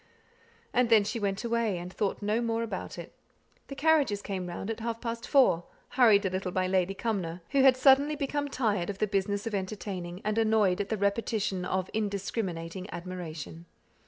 And then she went away, and thought no more about it. The carriages came round at half past four, hurried a little by Lady Cumnor, who had suddenly become tired of the business of entertaining, and annoyed at the repetition of indiscriminating admiration.